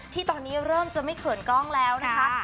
ที่ตอนนี้เริ่มจะไม่เขินกล้องแล้วนะคะ